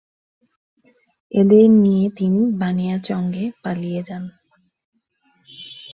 এদের নিয়ে তিনি বানিয়াচঙে পালিয়ে যান।